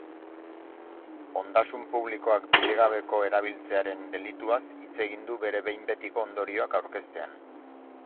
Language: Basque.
Ondasun publikoak bidegabeko erabiltzearen delituaz hitz egin du bere behin betiko ondorioak aurkeztean.